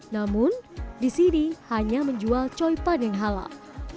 namun di sini hanya menjual coy pan yang halal